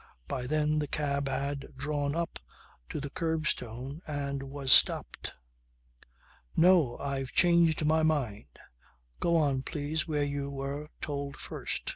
By then the cab had drawn up to the curbstone and was stopped. "No! I've changed my mind. Go on please where you were told first.